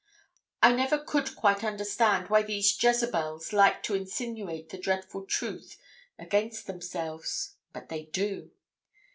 I never could quite understand why these Jezebels like to insinuate the dreadful truth against themselves; but they do.